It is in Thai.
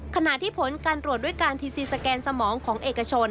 ขณะที่ผลการตรวจด้วยการทีซีสแกนสมองของเอกชน